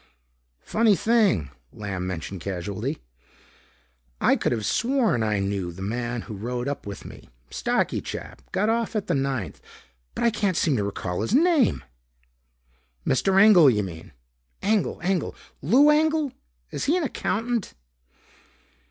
"Funny thing," Lamb mentioned casually, "I could've sworn I knew that man who rode up with me. Stocky chap. Got off at the ninth. But I can't seem to recall his name." "Mr. Engel, yuh mean?" "Engel ... Engel ... Lou Engel? Is he an accountant?"